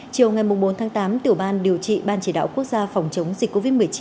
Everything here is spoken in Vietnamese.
chiều ngày bốn tháng tám tiểu ban điều trị ban chỉ đạo quốc gia phòng chống dịch covid một mươi chín